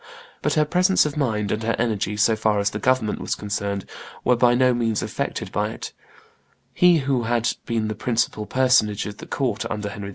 But her presence of mind and her energy, so far as the government was concerned, were by no means affected by it; he who had been the principal personage at the court under Henry II.